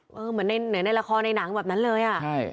เหมือนเหนือในละครในหนังแบบนั้นเลยอะ